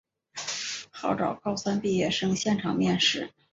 号召高三毕业生现场面试